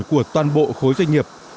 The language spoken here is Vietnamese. của toàn bộ khối doanh nghiệp